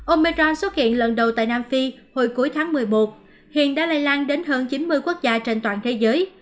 omer xuất hiện lần đầu tại nam phi hồi cuối tháng một mươi một hiện đã lây lan đến hơn chín mươi quốc gia trên toàn thế giới